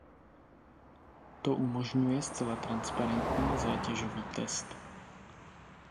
To umožňuje zcela transparentní zátěžový test.